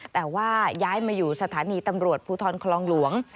แต่ว่าย้ายมาอยู่สถานีตำรวจภูทรคลองหลวง